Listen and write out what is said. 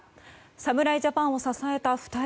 侍ジャパンを支えた２人。